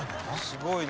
「すごいな」